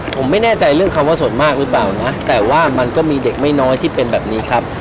ผมไม่แน่ใจเรื่องคำว่าส่วนมากหรือเปล่านะแต่ว่ามันก็มีเด็กไม่น้อยที่เป็นแบบนี้ครับ